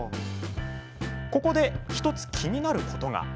ここで、１つ気になることが。